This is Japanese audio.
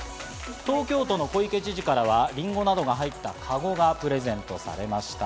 東京都の小池知事からはリンゴなどが入ったカゴがプレゼントされました。